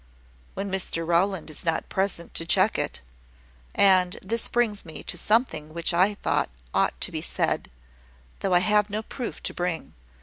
"When Mr Rowland is not present to check it. And this brings me to something which I think ought to be said, though I have no proof to bring.